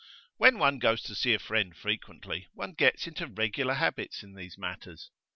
'When one goes to see a friend frequently, one gets into regular habits in these matters.